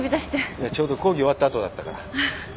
いやちょうど講義終わった後だったから。